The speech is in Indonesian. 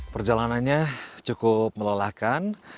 perjalanannya cukup melelahkan